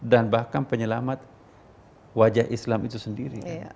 dan bahkan penyelamat wajah islam itu sendiri